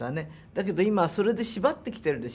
だけど今はそれで縛ってきてるでしょ。